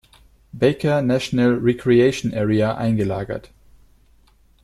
Baker National Recreation Area eingelagert.